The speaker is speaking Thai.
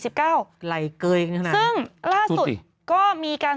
ซึ่งล่าสุดก็มีการ